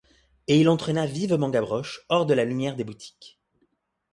Et il entraîna vivement Gavroche hors de la lumière des boutiques.